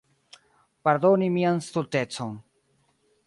Pardoni mian stultecon.